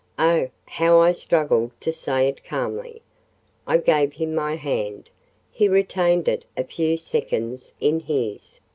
Oh, how I struggled to say it calmly! I gave him my hand. He retained it a few seconds in his.